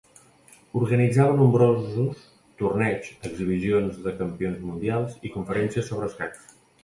Organitzava nombrosos torneigs, exhibicions de campions mundials i conferències sobre escacs.